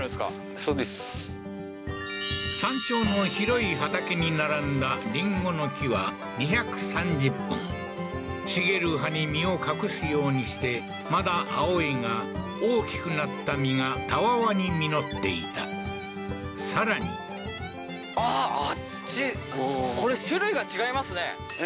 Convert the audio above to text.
そうです山頂の広い畑に並んだりんごの木は２３０本茂る葉に身を隠すようにしてまだ青いが大きくなった実がたわわに実っていたさらにええ